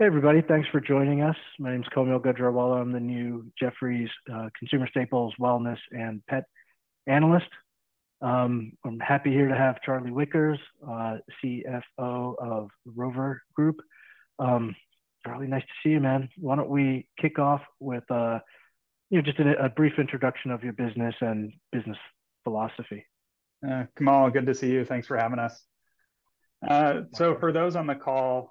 Hey, everybody. Thanks for joining us. My name is Kaumil Gajrawala. I'm the new Jefferies Consumer Staples, Wellness, and Pet Analyst. I'm happy here to have Charlie Wickers, CFO of the Rover Group. Charlie, nice to see you, man. Why don't we kick off with, you know, just a brief introduction of your business and business philosophy? Kaumil, good to see you. Thanks for having us. So for those on the call,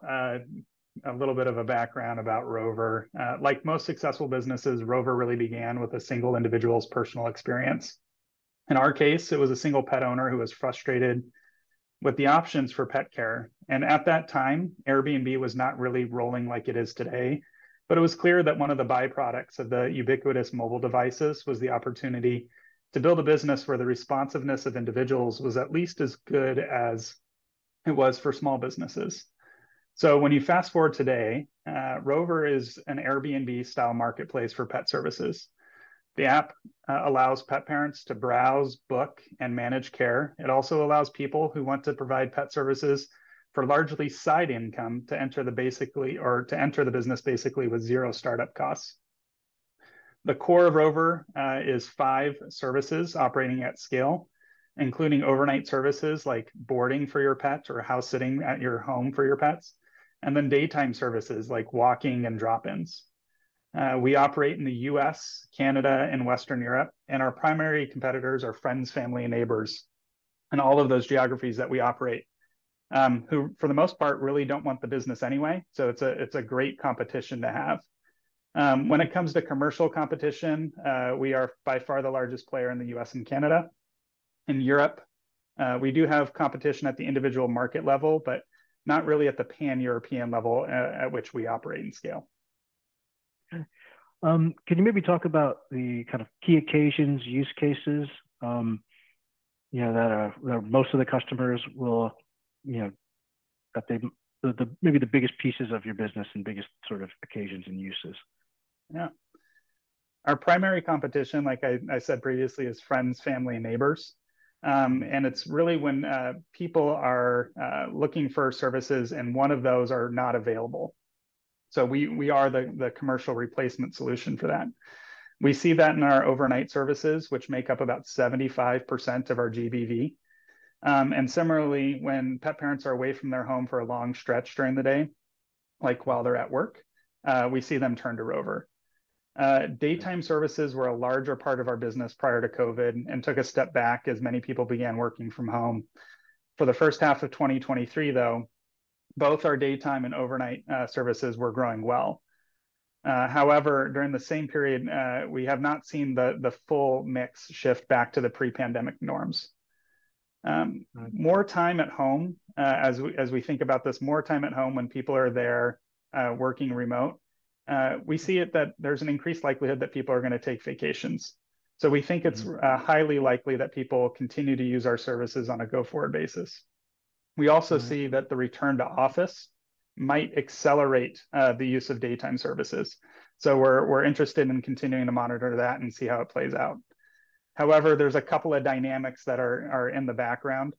a little bit of a background about Rover. Like most successful businesses, Rover really began with a single individual's personal experience. In our case, it was a single pet owner who was frustrated with the options for pet care, and at that time, Airbnb was not really rolling like it is today. But it was clear that one of the byproducts of the ubiquitous mobile devices was the opportunity to build a business where the responsiveness of individuals was at least as good as it was for small businesses. So when you fast-forward today, Rover is an Airbnb-style marketplace for pet services. The app allows pet parents to browse, book, and manage care. It also allows people who want to provide pet services for largely side income to enter the business basically with zero startup costs. The core of Rover is five services operating at scale, including overnight services like boarding for your pet or house-sitting at your home for your pets, and then daytime services like walking and drop-ins. We operate in the U.S., Canada, and Western Europe, and our primary competitors are friends, family, and neighbors in all of those geographies that we operate, who, for the most part, really don't want the business anyway. So it's a great competition to have. When it comes to commercial competition, we are by far the largest player in the U.S. and Canada. In Europe, we do have competition at the individual market level, but not really at the Pan-European level at which we operate and scale. Okay. Can you maybe talk about the kind of key occasions, use cases, you know, that, that most of the customers will, you know, that they... The, the maybe the biggest pieces of your business and biggest sort of occasions and uses? Yeah. Our primary competition, like I said previously, is friends, family, and neighbors. And it's really when people are looking for services and one of those are not available. So we are the commercial replacement solution for that. We see that in our overnight services, which make up about 75% of our GBV. And similarly, when pet parents are away from their home for a long stretch during the day, like while they're at work, we see them turn to Rover. Daytime services were a larger part of our business prior to COVID and took a step back as many people began working from home. For the first half of 2023, though, both our daytime and overnight services were growing well. However, during the same period, we have not seen the full mix shift back to the pre-pandemic norms. Mm. More time at home, as we, as we think about this, more time at home when people are there, working remote, we see it that there's an increased likelihood that people are going to take vacations. So we think it's. Mm. Highly likely that people will continue to use our services on a go-forward basis. We also see. Mm That the return to office might accelerate the use of daytime services. So we're interested in continuing to monitor that and see how it plays out. However, there's a couple of dynamics that are in the background.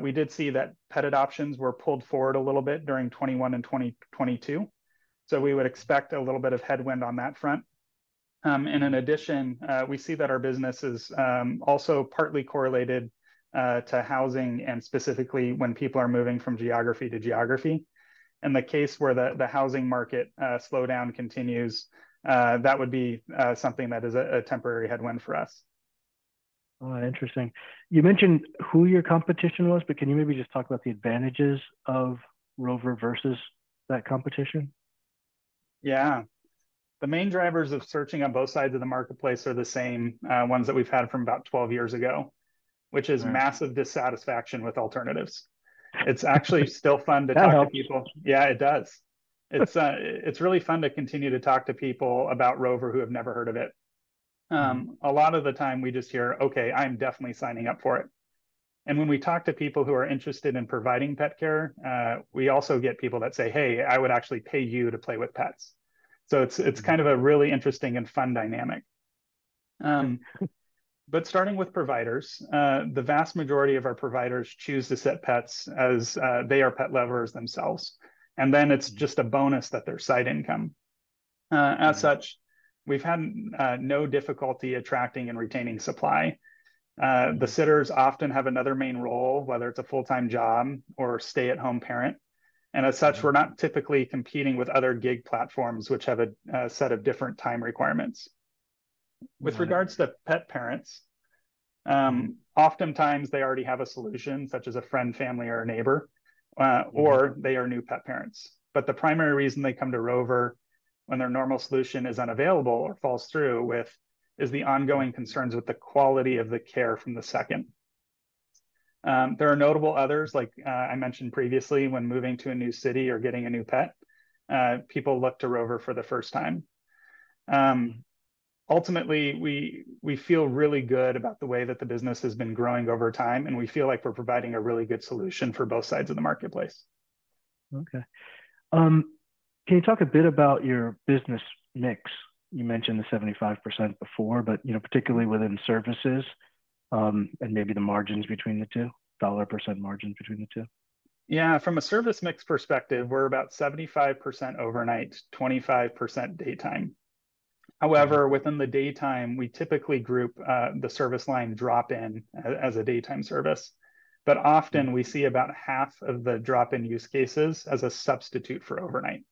We did see that pet adoptions were pulled forward a little bit during 2021 and 2022, so we would expect a little bit of headwind on that front. And in addition, we see that our business is also partly correlated to housing and specifically when people are moving from geography to geography. In the case where the housing market slowdown continues, that would be something that is a temporary headwind for us. Oh, interesting. You mentioned who your competition was, but can you maybe just talk about the advantages of Rover versus that competition? Yeah. The main drivers of searching on both sides of the marketplace are the same, ones that we've had from about 12 years ago. Right Which is massive dissatisfaction with alternatives. It's actually still fun to talk to people- That helps. Yeah, it does. It's really fun to continue to talk to people about Rover who have never heard of it. A lot of the time we just hear, "Okay, I'm definitely signing up for it." And when we talk to people who are interested in providing pet care, we also get people that say, "Hey, I would actually pay you to play with pets. Mm. So it's kind of a really interesting and fun dynamic. But starting with providers, the vast majority of our providers choose to sit pets, as they are pet lovers themselves, and then it's just a bonus that they're side income. Mm. As such, we've had no difficulty attracting and retaining supply. The sitters often have another main role, whether it's a full-time job or stay-at-home parent. Mm. As such, we're not typically competing with other gig platforms, which have a set of different time requirements. Right. With regards to pet parents, oftentimes, they already have a solution, such as a friend, family, or a neighbor. Mm Or they are new pet parents. But the primary reason they come to Rover when their normal solution is unavailable or falls through is the ongoing concerns with the quality of the care from the second. There are notable others, like, I mentioned previously, when moving to a new city or getting a new pet, people look to Rover for the first time. Ultimately, we feel really good about the way that the business has been growing over time, and we feel like we're providing a really good solution for both sides of the marketplace. Okay. Can you talk a bit about your business mix? You mentioned the 75% before, but, you know, particularly within services.... and maybe the margins between the two, dollar percent margins between the two? Yeah, from a service mix perspective, we're about 75% overnight, 25% daytime. However, within the daytime, we typically group the service line drop-in as a daytime service. But often we see about half of the drop-in use cases as a substitute for overnight.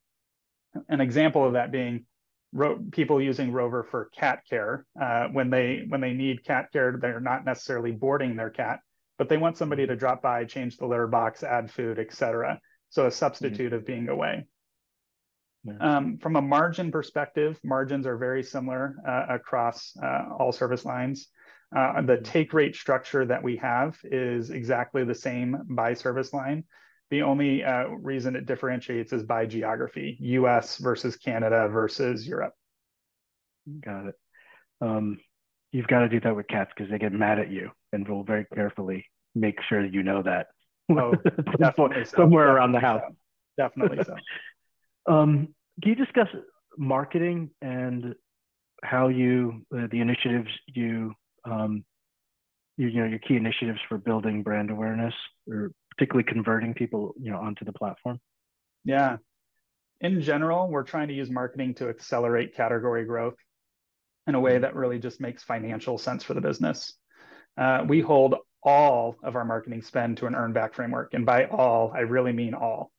An example of that being people using Rover for cat care. When they need cat care, they're not necessarily boarding their cat, but they want somebody to drop by, change the litter box, add food, et cetera. So a substitute of being away. Yeah. From a margin perspective, margins are very similar across all service lines. The take rate structure that we have is exactly the same by service line. The only reason it differentiates is by geography: U.S. versus Canada versus Europe. Got it. You've got to do that with cat because they get mad at you, and will very carefully make sure you know that. Oh, definitely so. Somewhere around the house. Definitely so. Can you discuss marketing and how, you know, your key initiatives for building brand awareness or particularly converting people, you know, onto the platform? Yeah. In general, we're trying to use marketing to accelerate category growth in a way that really just makes financial sense for the business. We hold all of our marketing spend to an earn back framework, and by all, I really mean all.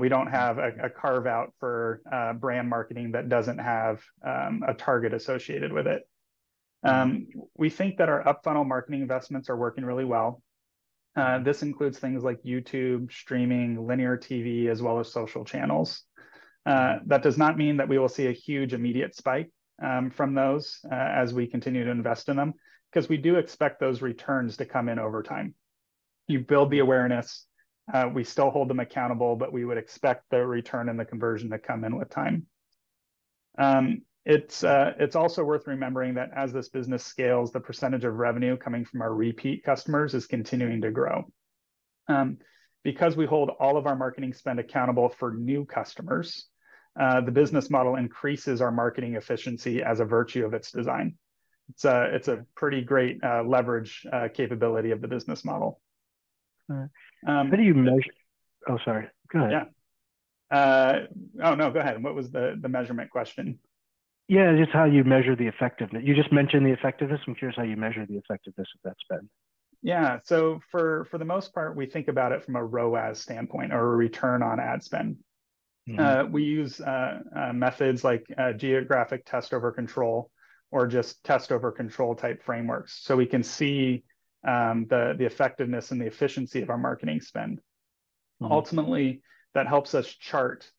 We don't have a carve-out for brand marketing that doesn't have a target associated with it. We think that our up-funnel marketing investments are working really well. This includes things like YouTube, streaming, linear TV, as well as social channels. That does not mean that we will see a huge immediate spike from those as we continue to invest in them, because we do expect those returns to come in over time. You build the awareness. We still hold them accountable, but we would expect the return and the conversion to come in with time. It's also worth remembering that as this business scales, the percentage of revenue coming from our repeat customers is continuing to grow. Because we hold all of our marketing spend accountable for new customers, the business model increases our marketing efficiency as a virtue of its design. It's a pretty great leverage capability of the business model. All right. Oh, sorry. Go ahead. Yeah. Oh, no, go ahead. What was the measurement question? Yeah, just how you measure the effectiveness. You just mentioned the effectiveness. I'm curious how you measure the effectiveness of that spend. Yeah. So for the most part, we think about it from a ROAS standpoint or a return on ad spend. Mm-hmm. We use methods like geographic test over control or just test over control type frameworks, so we can see the effectiveness and the efficiency of our marketing spend. Mm-hmm. Ultimately, that helps us chart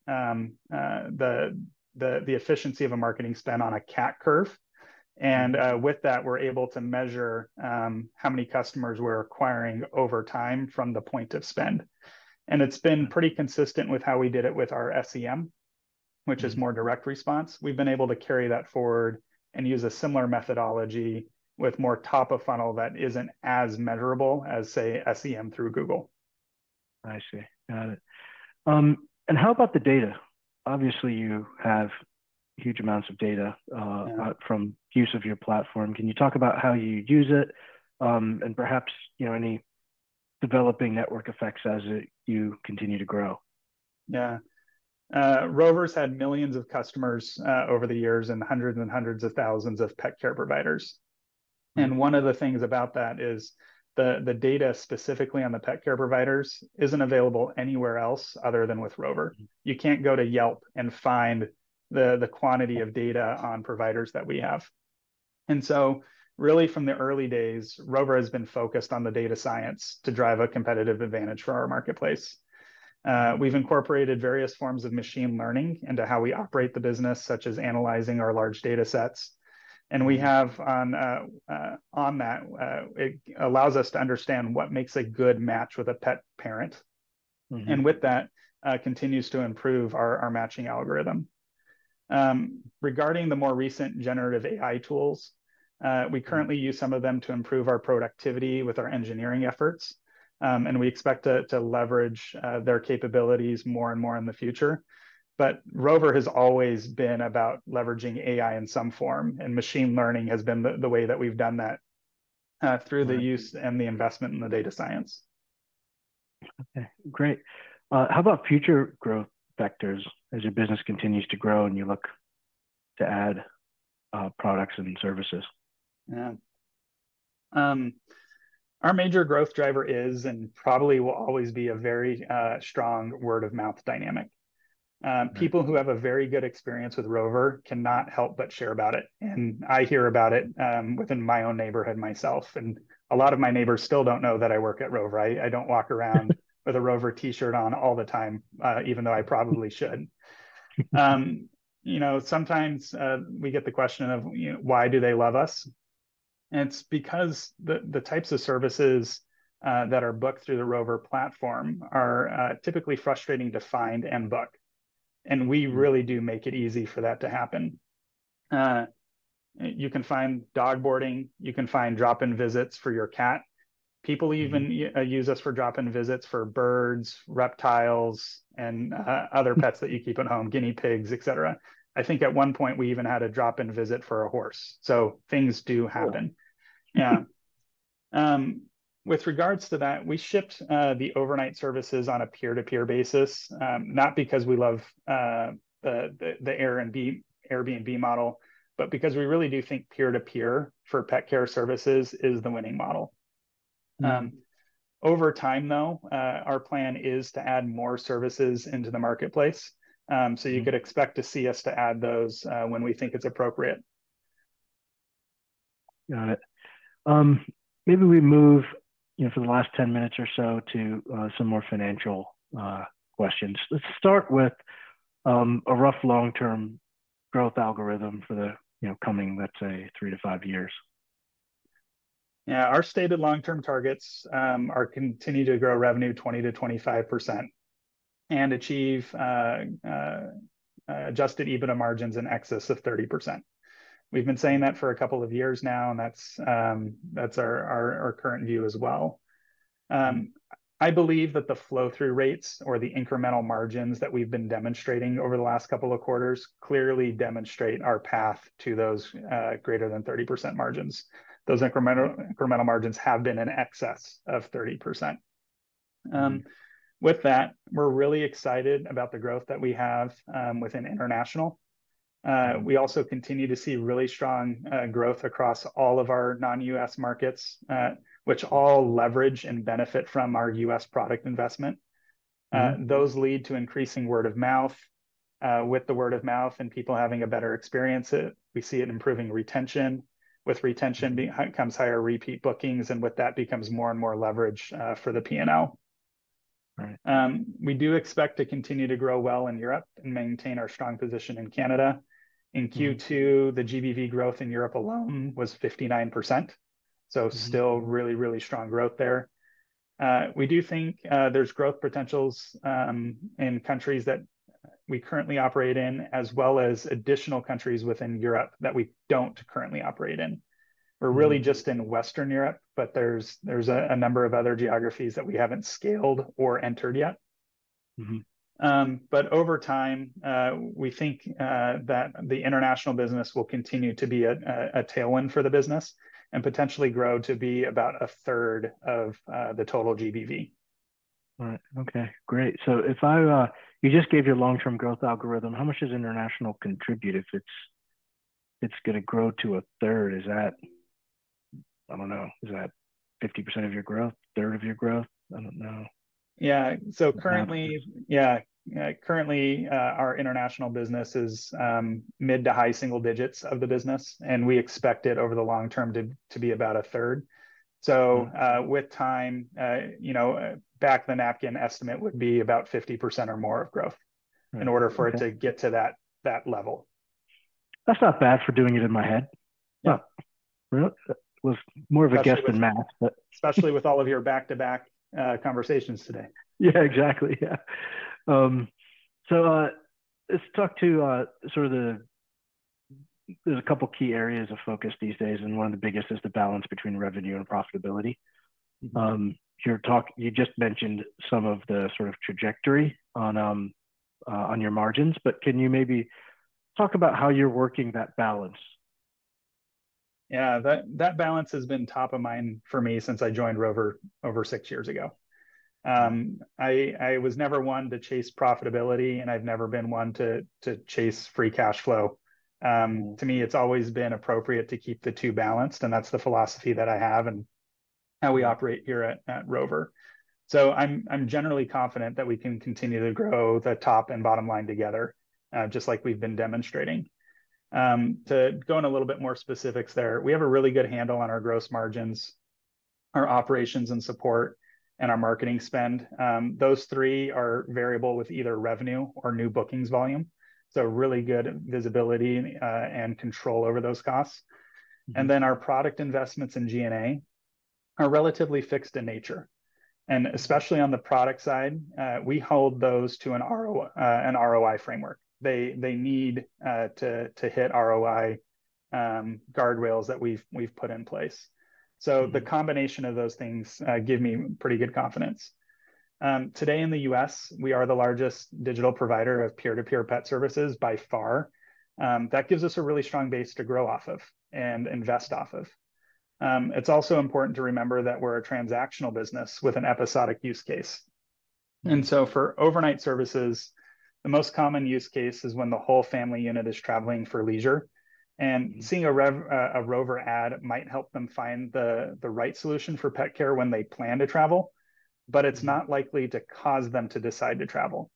the efficiency of a marketing spend on a curve. And with that, we're able to measure how many customers we're acquiring over time from the point of spend. And it's been pretty consistent with how we did it with our SEM, which is more direct response. We've been able to carry that forward and use a similar methodology with more top of funnel that isn't as measurable as, say, SEM through Google. I see. Got it. How about the data? Obviously, you have huge amounts of data. Yeah From use of your platform. Can you talk about how you use it, and perhaps, you know, any developing network effects as you continue to grow? Yeah. Rover's had millions of customers over the years and hundreds and hundreds of thousands of pet care providers. One of the things about that is the data specifically on the pet care providers isn't available anywhere else other than with Rover. You can't go to Yelp and find the quantity of data on providers that we have. And so really from the early days, Rover has been focused on the data science to drive a competitive advantage for our marketplace. We've incorporated various forms of machine learning into how we operate the business, such as analyzing our large data sets. Mm-hmm. We have, on that, it allows us to understand what makes a good match with a pet parent. Mm-hmm And with that continues to improve our matching algorithm. Regarding the more recent generative AI tools, we currently use some of them to improve our productivity with our engineering efforts, and we expect to leverage their capabilities more and more in the future. But Rover has always been about leveraging AI in some form, and machine learning has been the way that we've done that, through the use. Right. And the investment in the data science. Okay, great. How about future growth vectors as your business continues to grow and you look to add products and services? Yeah. Our major growth driver is, and probably will always be a very, strong word-of-mouth dynamic. Mm-hmm. People who have a very good experience with Rover cannot help but share about it, and I hear about it within my own neighborhood myself, and a lot of my neighbors still don't know that I work at Rover. I don't walk around with a Rover T-shirt on all the time, even though I probably should. You know, sometimes we get the question of, you know, why do they love us? And it's because the types of services that are booked through the Rover platform are typically frustrating to find and book, and we really do make it easy for that to happen. You can find dog boarding, you can find drop-in visits for your cat. People even use us for drop-in visits for birds, reptiles, and other pets that you keep at home, guinea pigs, et cetera. I think at one point we even had a drop-in visit for a horse. So things do happen. Cool. Yeah. With regards to that, we shipped the overnight services on a peer-to-peer basis, not because we love the Airbnb model, but because we really do think peer-to-peer for pet care services is the winning model. Mm. Over time, though, our plan is to add more services into the marketplace. So you could expect to see us to add those, when we think it's appropriate. Got it. Maybe we move, you know, for the last 10 minutes or so, to some more financial questions. Let's start with a rough long-term growth algorithm for the, you know, coming, let's say, three to five years. Yeah. Our stated long-term targets are continue to grow revenue 20%-25% and achieve Adjusted EBITDA margins in excess of 30%. We've been saying that for a couple of years now, and that's our current view as well. I believe that the flow-through rates or the incremental margins that we've been demonstrating over the last couple of quarters clearly demonstrate our path to those greater than 30% margins. Those incremental margins have been in excess of 30%. With that, we're really excited about the growth that we have within international. We also continue to see really strong growth across all of our non-US markets, which all leverage and benefit from our US product investment. Mm-hmm. Those lead to increasing word-of-mouth. With the word-of-mouth and people having a better experience, we see an improving retention. With retention comes higher repeat bookings, and with that becomes more and more leverage for the P&L. Right. We do expect to continue to grow well in Europe and maintain our strong position in Canada. Mm. In Q2, the GBV growth in Europe alone was 59%, so- Mm Still really, really strong growth there. We do think there's growth potentials in countries that we currently operate in, as well as additional countries within Europe that we don't currently operate in. Mm. We're really just in Western Europe, but there's a number of other geographies that we haven't scaled or entered yet. Mm-hmm. But over time, we think that the international business will continue to be a tailwind for the business and potentially grow to be about a third of the total GBV. Right. Okay, great. So if I, you just gave your long-term growth algorithm, how much does international contribute if it's, it's gonna grow to a third? Is that, I don't know, is that 50% of your growth, a third of your growth? I don't know. Yeah. Uh. Currently, our international business is mid- to high-single digits of the business, and we expect it over the long term to be about a third. Mm. With time, you know, back-of-the-napkin estimate would be about 50% or more of growth- Mm. Okay In order for it to get to that, that level. That's not bad for doing it in my head. Yeah. Well, it was more of a guess than math, but - Especially with all of your back-to-back conversations today. Yeah, exactly. Yeah. So, let's talk to sort of there's a couple key areas of focus these days, and one of the biggest is the balance between revenue and profitability. Mm-hmm. You just mentioned some of the sort of trajectory on your margins, but can you maybe talk about how you're working that balance? Yeah, that, that balance has been top of mind for me since I joined Rover over six years ago. I was never one to chase profitability, and I've never been one to chase free cash flow. Mm. To me, it's always been appropriate to keep the two balanced, and that's the philosophy that I have and how we operate here at Rover. So I'm generally confident that we can continue to grow the top and bottom line together, just like we've been demonstrating. To go in a little bit more specifics there, we have a really good handle on our gross margins, our operations and support, and our marketing spend. Those three are variable with either revenue or new bookings volume, so really good visibility and control over those costs. Mm. And then our product investments in G&A are relatively fixed in nature, and especially on the product side, we hold those to an ROI framework. They need to hit ROI guardrails that we've put in place. Mm. So the combination of those things give me pretty good confidence. Today in the U.S., we are the largest digital provider of peer-to-peer pet services by far. That gives us a really strong base to grow off of and invest off of. It's also important to remember that we're a transactional business with an episodic use case. And so for overnight services, the most common use case is when the whole family unit is traveling for leisure. And seeing a Rover ad might help them find the right solution for pet care when they plan to travel. Mm But it's not likely to cause them to decide to travel.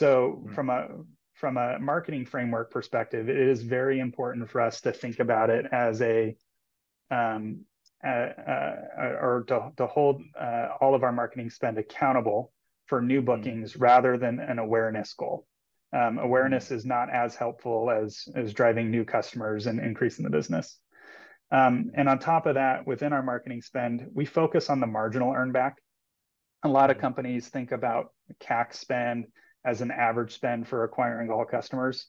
Mm. So from a marketing framework perspective, it is very important for us to think about it as a or to hold all of our marketing spend accountable for new bookings. Mm Rather than an awareness goal. Mm Is not as helpful as driving new customers and increasing the business. And on top of that, within our marketing spend, we focus on the marginal earn back. A lot of companies think about CAC spend as an average spend for acquiring all customers.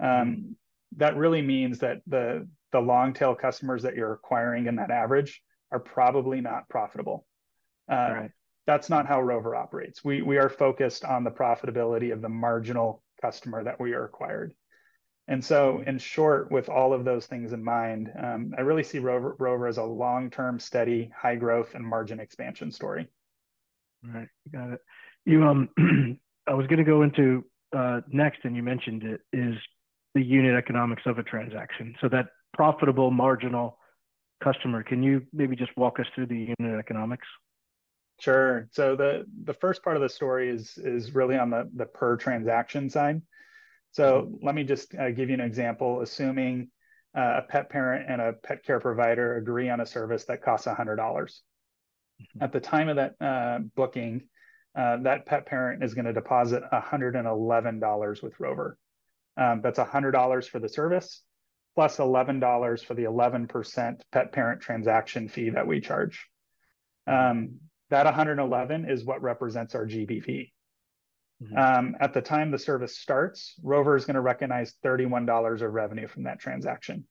That really means that the long-tail customers that you're acquiring in that average are probably not profitable. Right. That's not how Rover operates. We are focused on the profitability of the marginal customer that we acquired. And so, in short, with all of those things in mind, I really see Rover as a long-term, steady, high growth and margin expansion story. Right. Got it. You, I was gonna go into, next, and you mentioned it, is the unit economics of a transaction. So that profitable marginal customer, can you maybe just walk us through the unit economics? Sure. So the first part of the story is really on the per transaction side. So let me just give you an example. Assuming a pet parent and a pet care provider agree on a service that costs $100. Mm-hmm. At the time of that booking, that pet parent is gonna deposit $111 with Rover. That's $100 for the service, plus $11 for the 11% pet parent transaction fee that we charge. That $111 is what represents our GBV. Mm-hmm. At the time the service starts, Rover is gonna recognize $31 of revenue from that transaction.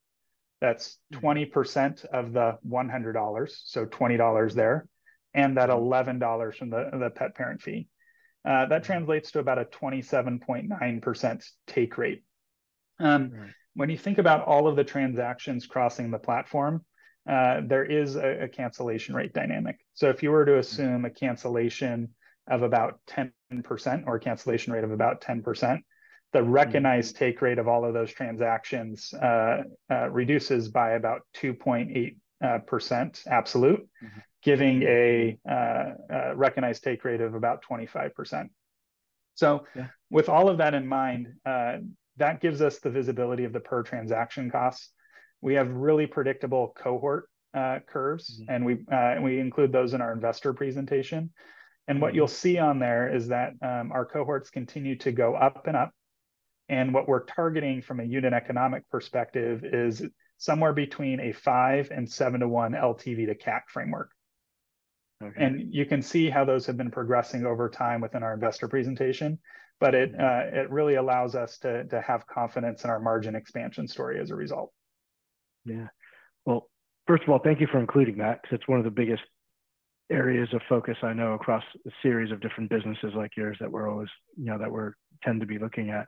That's 20% of the $100, so $20 there, and that $11 from the pet parent fee. That translates to about a 27.9% take rate. Right. When you think about all of the transactions crossing the platform, there is a cancellation rate dynamic. So if you were to assume a cancellation of about 10%, or a cancellation rate of about 10%, the recognized take rate of all of those transactions reduces by about 2.8%, absolute. Mm-hmm Giving a recognized take rate of about 25%. So- Yeah With all of that in mind, that gives us the visibility of the per transaction costs. We have really predictable cohort, curves- Mm-hmm And we include those in our investor presentation. Mm-hmm. What you'll see on there is that, our cohorts continue to go up and up, and what we're targeting from a unit economic perspective is somewhere between a five and seven to one LTV to CAC framework. Okay. You can see how those have been progressing over time within our investor presentation. Mm-hmm. But it really allows us to have confidence in our margin expansion story as a result. Yeah. Well, first of all, thank you for including that, 'cause it's one of the biggest areas of focus I know across a series of different businesses like yours, that we're always. You know, that we're tend to be looking at.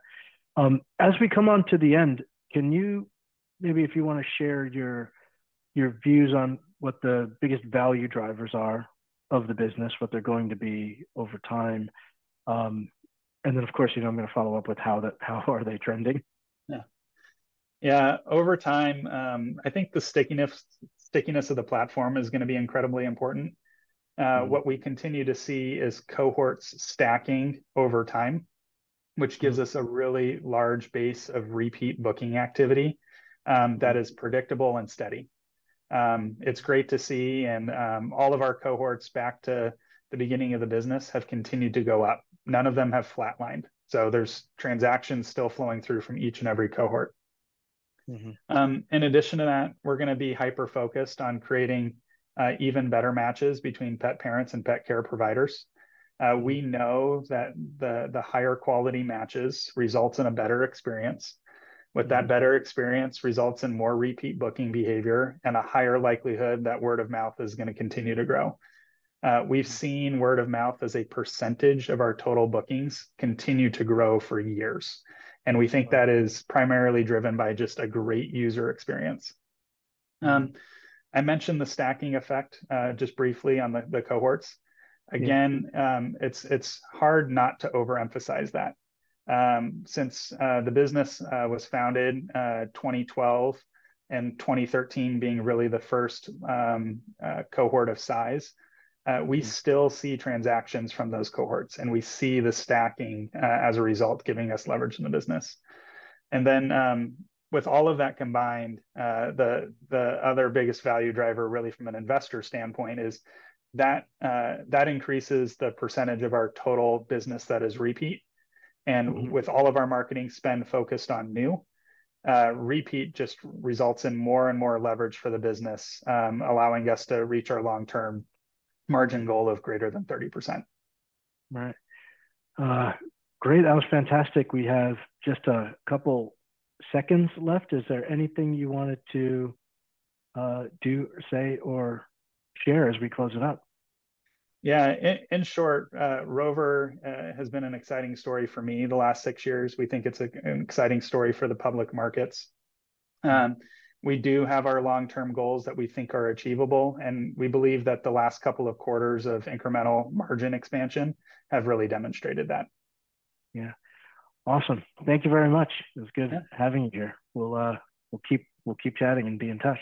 As we come on to the end, can you maybe, if you want to share your, your views on what the biggest value drivers are of the business, what they're going to be over time? And then, of course, you know I'm gonna follow up with how the, how are they trending? Yeah. Yeah, over time, I think the stickiness, stickiness of the platform is gonna be incredibly important. Mm-hmm. What we continue to see is cohorts stacking over time, which gives us a really large base of repeat booking activity that is predictable and steady. It's great to see, and all of our cohorts back to the beginning of the business have continued to go up. None of them have flatlined, so there's transactions still flowing through from each and every cohort. Mm-hmm. In addition to that, we're gonna be hyper-focused on creating even better matches between pet parents and pet care providers. We know that the higher quality matches results in a better experience. Mm-hmm. With that better experience, results in more repeat booking behavior and a higher likelihood that word-of-mouth is gonna continue to grow. We've seen word-of-mouth as a percentage of our total bookings continue to grow for years, and we think that is primarily driven by just a great user experience. I mentioned the stacking effect, just briefly on the cohorts. Yeah. Again, it's hard not to overemphasize that. Since the business was founded 2012, and 2013 being really the first cohort of size, Mm-hmm We still see transactions from those cohorts, and we see the stacking, as a result, giving us leverage in the business. And then, with all of that combined, the other biggest value driver, really from an investor standpoint, is that that increases the percentage of our total business that is repeat. Mm-hmm. With all of our marketing spend focused on new, repeat just results in more and more leverage for the business, allowing us to reach our long-term margin goal of greater than 30%. Right. Great. That was fantastic. We have just a couple seconds left. Is there anything you wanted to, do or say or share as we close it up? Yeah. In, in short, Rover has been an exciting story for me the last six years. We think it's a, an exciting story for the public markets. We do have our long-term goals that we think are achievable, and we believe that the last couple of quarters of incremental margin expansion have really demonstrated that. Yeah. Awesome. Thank you very much. It was good having you here. We'll keep chatting and be in touch.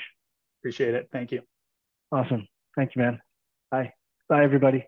Appreciate it. Thank you. Awesome. Thank you, man. Bye. Bye, everybody.